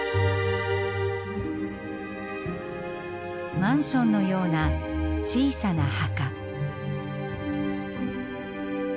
マンションのような小さな墓。